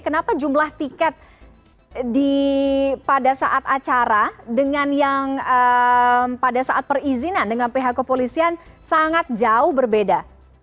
kenapa jumlah tiket pada saat acara dengan yang pada saat perizinan dengan pihak kepolisian sangat jauh berbeda